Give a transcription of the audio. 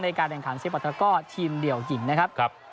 ในการแด่งขันเซปอร์ตะกอร์ทีมเดี่ยวหญิงนะครับ